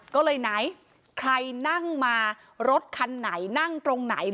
ก็เลยไหนใครนั่งมารถคันไหนนั่งตรงไหน